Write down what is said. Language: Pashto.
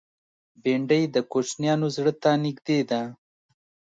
بېنډۍ د کوچنیانو زړه ته نږدې ده